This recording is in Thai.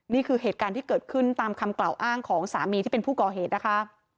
นี่คือเหตุการณ์ที่เกิดขึ้นตามคำกล่าวอ้างของสามีที่เป็นผู้ก่อเหตุนะคะ